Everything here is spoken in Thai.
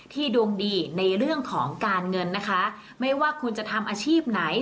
ดวงดีในเรื่องของการเงินนะคะไม่ว่าคุณจะทำอาชีพไหน